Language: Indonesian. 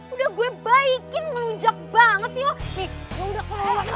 udah gue baikin melunjak banget sih lo